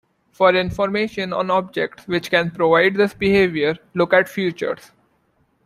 For information on objects which can provide this behavior, look at "futures".